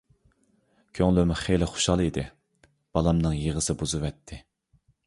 كۆڭلۈم خېلى خۇشال ئىدى، بالامنىڭ يىغىسى بۇزۇۋەتتى.